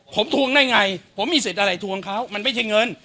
ผมทวงได้ไงผมมีสิทธิ์อะไรทวงเขามันไม่ใช่เงิน